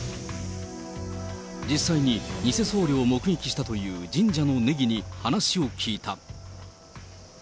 実際に偽僧侶を目撃したという神社の禰宜に話を聞いた。